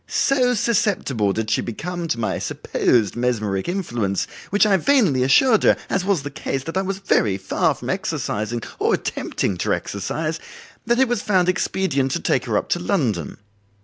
So susceptible did she become to my supposed mesmeric influence, which I vainly assured her, as was the case, that I was very far from exercising or attempting to exercise, that it was found expedient to take her up to London.